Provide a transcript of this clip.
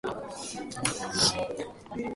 卵はおいしい